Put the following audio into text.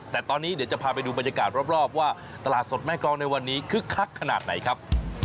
แต่ตอนนี้เดี๋ยวจะพาไปดูบรรยากาศรอบว่าตลาดสดแม่กรองในวันนี้คึกคักขนาดไหนครับ